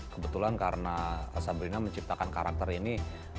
kebetulan karena asabrina menciptakan karakter ini